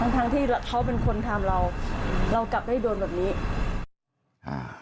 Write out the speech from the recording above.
ทั้งที่เขาเป็นคนทำเราเรากลับได้โดนแบบนี้อ่า